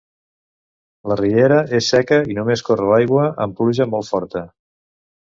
La riera és seca i només corre l'aigua amb pluja molt forta.